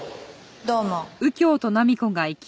どうも。